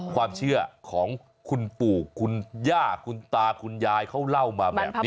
ความเชื่อของคุณปู่คุณย่าคุณตาคุณยายเขาเล่ามาแบบนี้